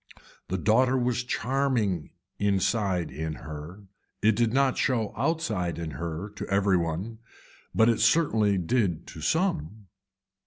The daughter was charming inside in her, it did not show outside in her to every one, it certainly did to some.